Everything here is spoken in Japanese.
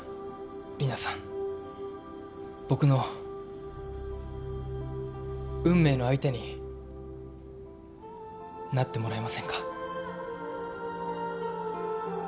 僕の運命の相手になってもらえませんか？